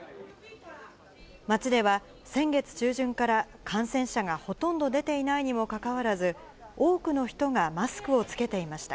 町では先月中旬から感染者がほとんど出ていないにもかかわらず、多くの人がマスクを着けていました。